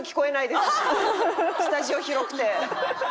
スタジオ広くて。